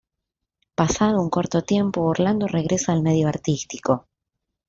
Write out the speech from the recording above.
Pasado un corto tiempo Orlando regresa al medio artístico.